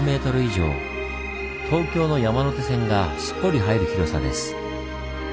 東京の山手線がすっぽり入る広さです。